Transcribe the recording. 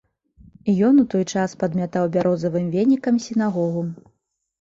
Ён у той час падмятаў бярозавым венікам сінагогу.